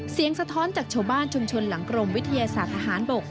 สะท้อนจากชาวบ้านชุมชนหลังกรมวิทยาศาสตร์ทหารบก